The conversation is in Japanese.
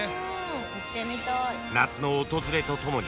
［夏の訪れとともに］